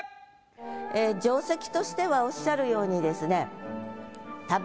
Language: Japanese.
ええ定石としてはおっしゃるようにですね。